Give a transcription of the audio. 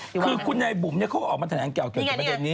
คือคุณนายบุ๋มเขาก็ออกมาแถลงเกี่ยวกับประเด็นนี้